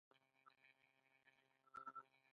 دا د سناتوریال طبقې څخه و